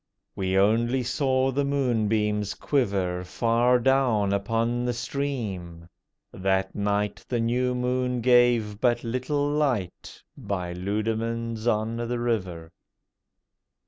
We only saw the moonbeams quiver Far down upon the stream! that night The new moon gave but little light By Leudemanns on the River.